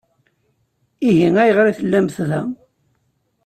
Ihi ayɣer i tellamt da?